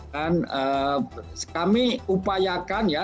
dan kami upayakan ya